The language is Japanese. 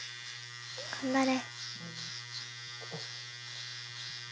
頑張れ。